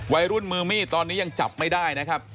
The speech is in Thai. วัยรุ่นมือมีดตอนนี้ยังจับไม่ได้นะครับ